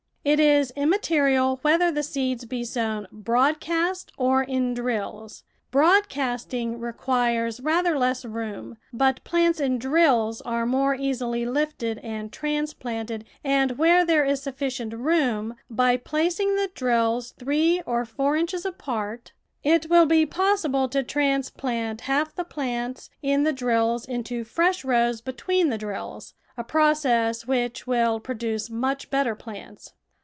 It is immaterial whether the seeds be sown broad cast or in drills; broadcasting requires rather less room, but plants in drills are more easily lifted and transplanted, and, where there is sufficient room, by placing the drills three or four inches apart, it CONSTRUCTION AND CARE OF HOTBEDS V, ill be possible to transplant half of the plants in the drills into fresh rows between the drills, a proc ess which will produce much better plants.